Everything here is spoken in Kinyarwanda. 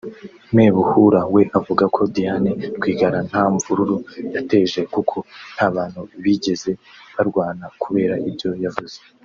Me Buhuru we avuga ko Diane Rwigara nta mvururu yateje kuko nta bantu bigeze barwana kubera ibyo yavuze